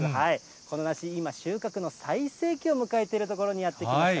この梨、今、収穫の最盛期を迎えているところにやって来ました。